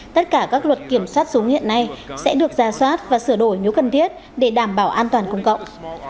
tất cả các luật kiểm soát súng hiện nay sẽ được ra soát và sửa đổi nếu cần thiết để đảm bảo an toàn công cộng